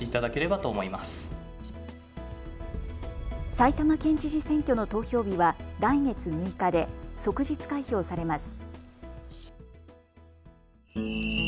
埼玉県知事選挙の投票日は来月６日で即日開票されます。